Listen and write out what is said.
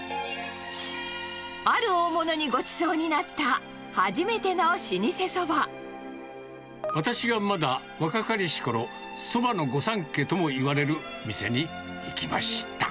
ある大物にごちそうになった、私がまだ若かりし頃、そばの御三家とも言われる店に行きました。